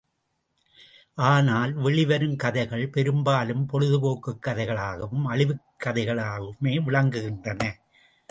ஆனால் வெளிவரும் கதைகள் பெரும் பாலும் பொழுதுபோக்குக் கதைகளாகவும், அழிவுக் கதைகளாகவுமே விளங்குகின்றன.